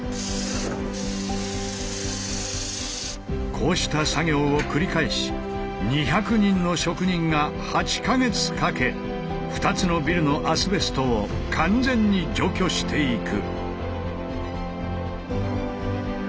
こうした作業を繰り返し２００人の職人が８か月かけ２つのビルのアスベストを完全に除去していく。